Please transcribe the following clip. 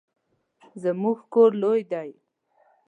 زموږ کور لوی دی